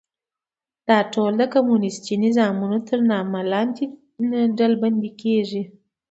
دا ټول د کمونیستي نظامونو تر نامه لاندې ډلبندي کېږي.